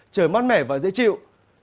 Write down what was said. trời mát mẻ và dễ chịu